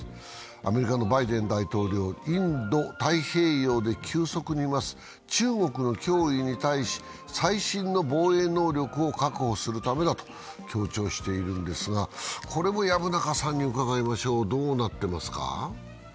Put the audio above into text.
アメリカのバイデン大統領、インド太平洋で急速に増す中国の脅威に対し、最新の防衛能力を確保するためだと強調しているんですが、これも薮中さんに伺いましょう、どうなってますか。